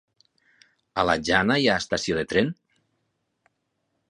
A la Jana hi ha estació de tren?